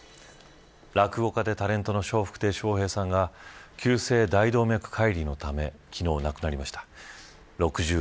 落語家でタレントの笑福亭笑瓶さんが急性大動脈解離のため昨日、亡くなりました。